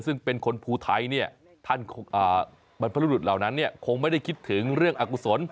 ซึ่งเป็นคนภูไทยเนี่ยท่านบรรพรุรุษเหล่านั้นคงไม่ได้คิดถึงเรื่องอากุศล